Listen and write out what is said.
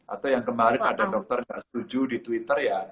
atau yang kemarin ada dokter nggak setuju di twitter ya